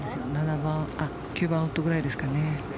９番ウッドくらいですかね。